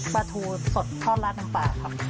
ปลาทูสดทอดราดน้ำปลาครับ